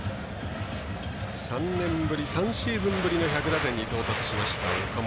３年ぶり３シーズンぶりの１００打点に到達しました、岡本。